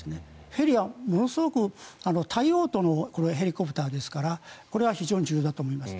ヘリはものすごく多用途のヘリコプターですからこれは非常に重要だと思います。